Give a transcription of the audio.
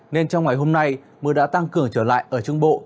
nên trong ngày hôm nay mưa đã tăng cường trở lại ở trung bộ